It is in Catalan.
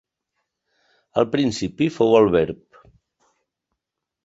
Al principi fou el verb.